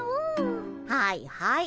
はいはい。